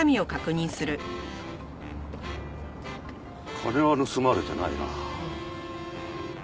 金は盗まれてないな。